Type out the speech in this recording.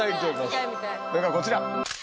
それがこちら。